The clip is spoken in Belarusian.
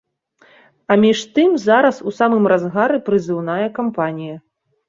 А між тым зараз у самым разгары прызыўная кампанія.